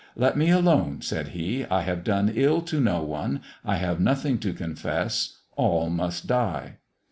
'Let me alone,' said he, 'I have done ill to no one. I have nothing to confess. All must die.'